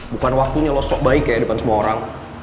bukan waktunya lo sok baik ya depan semua orang